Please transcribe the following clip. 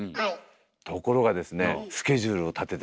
ところがですね